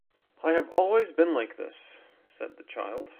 I have always been like this, said the child.